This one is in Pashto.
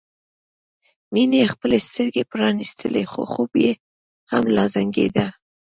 مينې خپلې سترګې پرانيستلې خو خوب یې لا هم زنګېده